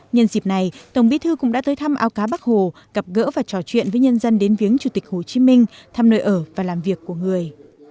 nhân dịp này tổng bí thư cũng đã tới thăm ao cá bắc hồ gặp gỡ và trò chuyện với nhân dân đến viếng chủ tịch hồ chí minh thăm nơi ở và làm việc của người